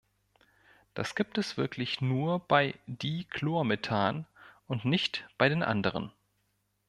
Das gibt es wirklich nur bei Dichlormethan und nicht bei den anderen.